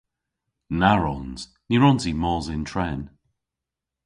Na wrons! Ny wrons i mos yn tren.